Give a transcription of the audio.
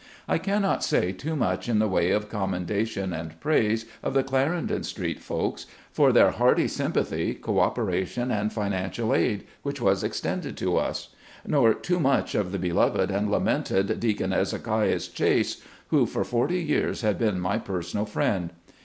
I cannot say too much in the way of commenda tion and praise of the Clarendon Street folks, for their hearty sympathy, co operation, and financial aid, which was extended to us. Nor too much of the beloved and lamented Deacon Ezekias Chase, who for forty years had been my personal friend.